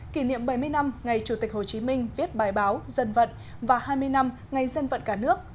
kỷ niệm bảy mươi năm ngày chủ tịch hồ chí minh viết bài báo dân vận và hai mươi năm ngày dân vận cả nước